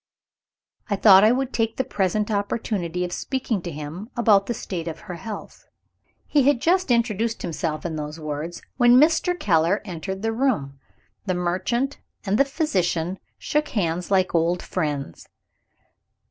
I thought I would take the present opportunity of speaking to him about the state of her health." He had just introduced himself in those words, when Mr. Keller entered the room. The merchant and the physician shook hands like old friends.